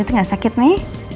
itu gak sakit nih